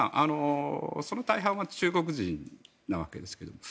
その大半は中国人なわけですけど。